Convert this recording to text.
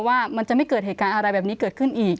ว่ามันจะไม่เกิดเหตุการณ์อะไรแบบนี้เกิดขึ้นอีก